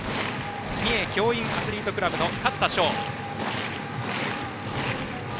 三重教員アスリートクラブの勝田将。